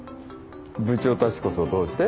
部長たちこそどうして？